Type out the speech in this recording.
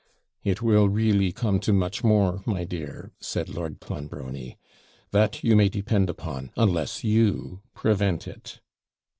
'It will really come to much more, my dear,' said Lord Clonbrony, 'that you may depend upon, unless you prevent it.'